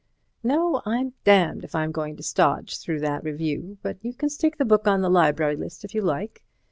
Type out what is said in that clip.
No, I'm damned if I'm going to stodge through that review, but you can stick the book on the library list if you like.